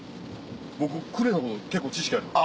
僕呉のこと結構知識あります。